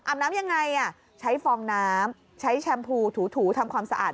น้ำยังไงใช้ฟองน้ำใช้แชมพูถูทำความสะอาด